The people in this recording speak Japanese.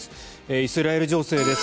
イスラエル情勢です。